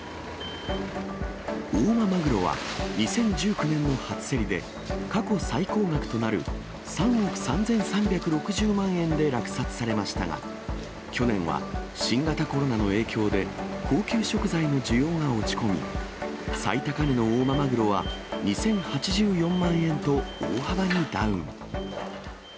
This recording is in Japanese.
大間マグロは２０１９年の初競りで、過去最高額となる３億３３６０万円で落札されましたが、去年は新型コロナの影響で、高級食材の需要が落ち込み、最高値の大間マグロは２０８４万円と大幅にダウン。